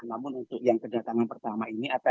namun untuk yang kedatangan pertama ini